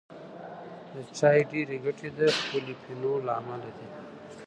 د چای ډېری ګټې د پولیفینول له امله دي.